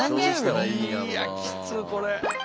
いやきつっこれ。